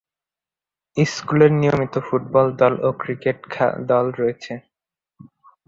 স্কুলের নিয়মিত ফুটবল দল ও ক্রিকেট দল রয়েছে।